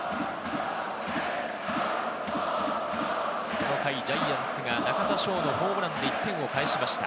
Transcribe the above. この回、ジャイアンツが中田翔のホームランで１点を返しました。